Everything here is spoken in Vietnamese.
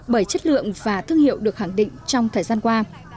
bởi chất lượng và thương hiệu được khẳng định trong thời gian qua